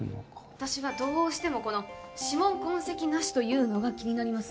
私はどうしてもこの「指紋・痕跡なし」というのが気になります